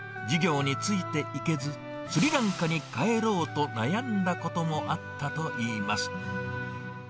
授業についていけず、スリランカに帰ろうと悩んだこともあったといいます。